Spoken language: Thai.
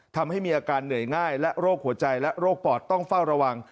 ทำให้มีอาการเหนื่อยง่ายและโรคหัวใจและโรคปอดต้องเฝ้าระวัง